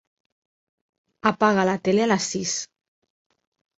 Apaga la tele a les sis.